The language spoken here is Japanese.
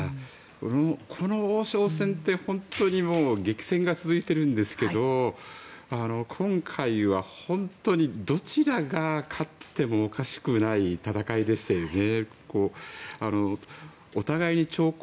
この王将戦って本当に激戦が続いてるんですけど今回は本当にどちらが勝ってもおかしくない戦いでしたよね。